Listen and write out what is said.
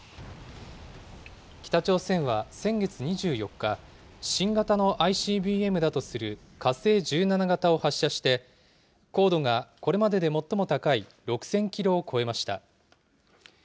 北朝鮮は先月２４日、新型のＩＣＢＭだとする火星１７型を発射して、高度がこれまでで最も高い６０００キロを超えました。